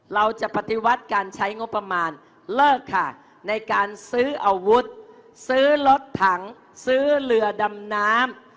เราจะปฏิวัติการใช้งบประมาณเลิกค่ะในการซื้ออาวุธซื้อรถถังซื้อเรือดำน้ำ